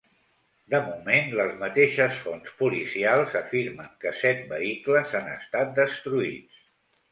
De moment, les mateixes fonts policials afirmen que set vehicles han estat destruïts.